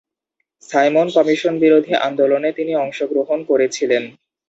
Simon Commission বিরোধী আন্দোলনে তিনি অংশগ্রহণ করেছিলেন।